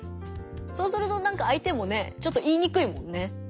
そうするとなんか相手もねちょっと言いにくいもんね。